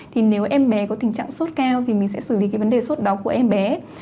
thì nếu em bé có tình trạng sốt cao thì mình sẽ xử lý cái vấn đề sốt đó của em bé